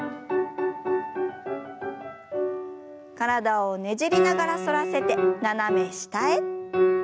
体をねじりながら反らせて斜め下へ。